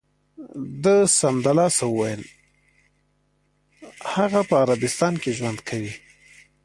ده سمدلاسه و ویل: هغه په عربستان کې ژوند کوي.